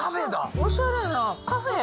おしゃれなカフェ。